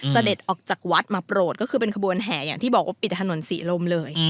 เสด็จออกจากวัดมาโปรดก็คือเป็นขบวนแห่อย่างที่บอกว่าปิดถนนศรีลมเลย